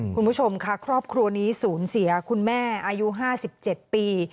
คุณผู้ชมค่ะครอบครัวนี้สูญเสียคุณแม่อายุ๕๗ปี